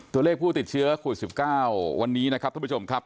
ตัวเลขผู้ติดเชื้อโควิด๑๙วันนี้นะครับท่านผู้ชมครับ